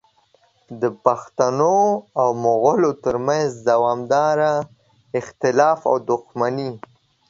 د پښتنو او مغولو ترمنځ دوامداره اختلافات او دښمنۍ